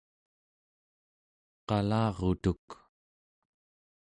qalarutuk